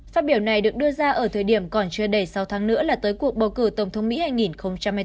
phát biểu này được đưa ra ở thời điểm còn chưa đầy sáu tháng nữa là tới cuộc bầu cử tổng thống mỹ hai nghìn hai mươi bốn